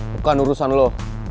bukan urusan lo